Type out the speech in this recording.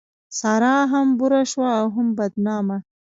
سارا هم بوره شوه او هم بدنامه.